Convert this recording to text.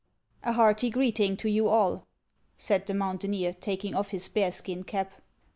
" A hearty greeting to you all," said the mountaineer, taking off his bearskin cap.